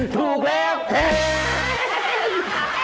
ถูกแล้วแท้ม